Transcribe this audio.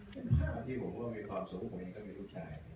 เป็นภาพที่ผมว่ามีความสูงผมเห็นก็มีลูกชาย